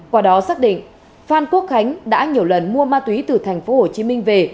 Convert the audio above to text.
quả đó xác định phan quốc khánh đã nhiều lần mua ma túy từ thành phố hồ chí minh về